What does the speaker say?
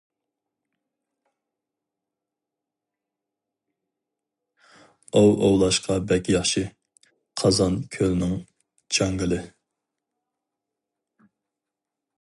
ئوۋ ئوۋلاشقا بەك ياخشى، قازان كۆلنىڭ جاڭگىلى.